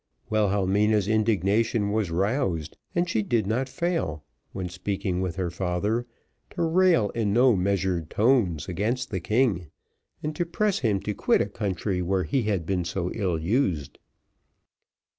Wilhelmina's indignation was roused, and she did not fail, when speaking with her father, to rail in no measured tones against the king, and to press him to quit a country where he had been so ill used.